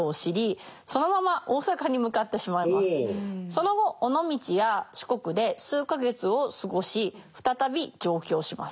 その後尾道や四国で数か月を過ごし再び上京します。